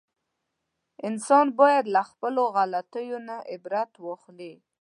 انسان باید له خپلو غلطیو نه عبرت و مومي.